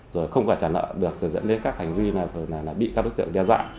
rồi không phải trả nợ được dẫn đến các hành vi bị các đối tượng đe dọa